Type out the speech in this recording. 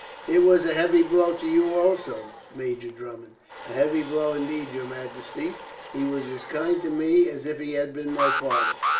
"It was a heavy blow to you also, Major Drummond." "A heavy blow indeed, your Majesty. He was as kind to me as if he had been my father."